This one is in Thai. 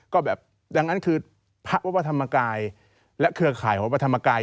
ก็แบบดังนั้นคือพระหวเทศแล้วเครือข่ายหวัดพระธรมกาย